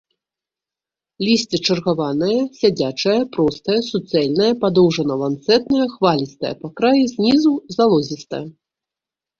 Лісце чаргаванае, сядзячае, простае, суцэльнае, падоўжана-ланцэтнае, хвалістае па краі, знізу залозістае.